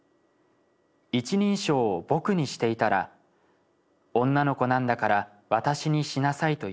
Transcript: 一人称を『僕』にしていたら『女の子なんだから私にしなさい』と言われた。